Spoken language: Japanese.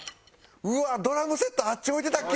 うわっ！ドラムセットあっち置いてたっけ？